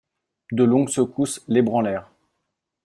De longues secousses l'ébranlèrent.